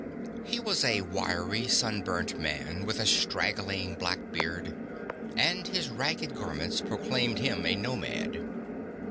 He was a wiry, sun burnt man with a straggling black beard, and his ragged garments proclaimed him a nomad.